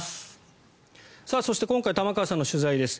そして、今回玉川さんの取材です。